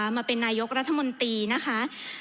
มาเป็นนายกรัฐมนตรีนะคะ